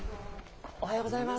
おはようございます。